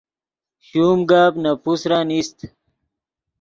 شوم گپ نے پوسرن ایست